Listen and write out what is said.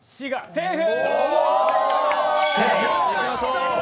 セーフ。